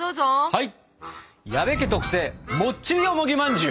はい。